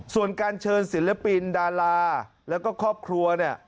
ส่วนการเชิญศิลปินดาราแล้วก็ครอบครัวเนี่ย